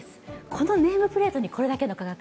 このネームプレートにこれだけの価格。